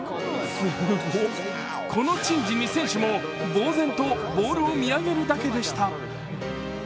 この珍事に選手もぼう然とボールを見上げるだけでした。